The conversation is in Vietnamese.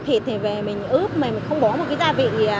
thịt thì về mình ướp mình không bó một cái gia vị